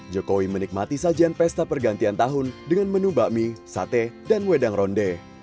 jokowi menikmati sajian pesta pergantian tahun dengan menu bakmi sate dan wedang ronde